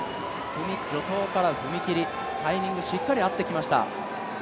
助走から踏み切り、タイミングしっかり合ってきました。